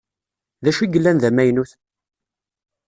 Dacu i yellan d amaynut?